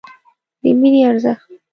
د مینې ارزښت